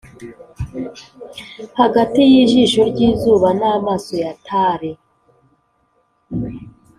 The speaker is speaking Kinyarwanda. hagati y'ijisho ry'izuba n'amaso ya tale,